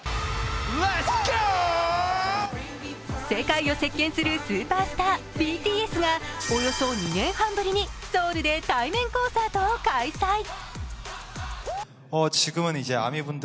世界を席巻するスーパースター、ＢＴＳがおよそ２年半ぶりにソウルで対面コンサートを開催。